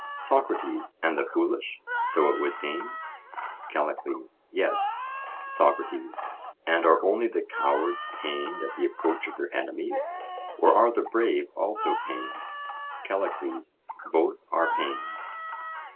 SOCRATES: And the foolish; so it would seem? CALLICLES: Yes. SOCRATES: And are only the cowards pained at the approach of their enemies, or are the brave also pained? CALLICLES: Both are pained.